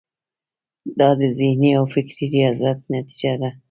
دا د ذهني او فکري ریاضت نتیجه ده.